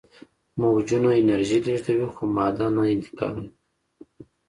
موجونه انرژي لیږدوي خو ماده نه انتقالوي.